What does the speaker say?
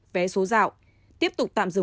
vé số rạo tiếp tục tạm dừng